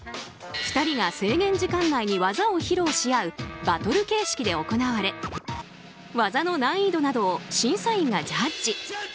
２人が制限時間内に技を披露し合うバトル形式で行われ技の難易度などを審査員がジャッジ。